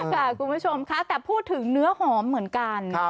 ค่ะคุณผู้ชมค่ะแต่พูดถึงเนื้อหอมเหมือนกัน